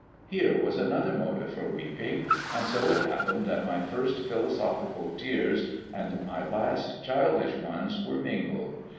Here was another motive for weeping, and so it happened that my first philosophical tears and my last childish ones were mingled.